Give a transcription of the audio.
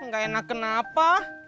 gak enak kenapa